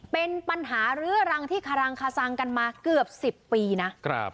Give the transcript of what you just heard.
เป็นปัญหาเรื้อรังที่คารังคสังกันมาเกือบ๑๐ปีนะ